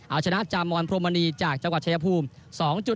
เอาชนะจามอนพรมณีจากจังหวัดชายภูมิ๒๐